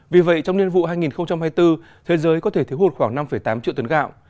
vì vậy trong niên vụ hai nghìn hai mươi bốn thế giới có thể thiếu hụt khoảng năm tám triệu tấn gạo